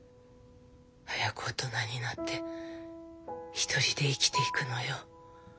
早く大人になって独りで生きていくのよ。